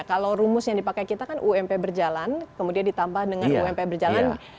kalau rumus yang dipakai kita kan ump berjalan kemudian ditambah dengan ump berjalan